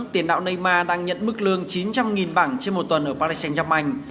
tiền đạo neymar đang nhận mức lương chín trăm linh bảng trên một tuần ở paris saint germain